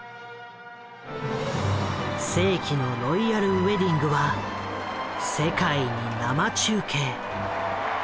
世紀のロイヤルウエディングは世界に生中継。